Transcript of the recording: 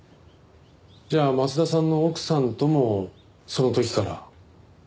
じゃあ松田さんの奥さんともその時から？